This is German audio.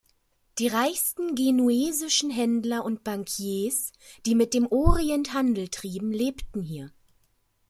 Die reichsten genuesischen Händler und Bankiers, die mit dem Orient Handel trieben, lebten hier.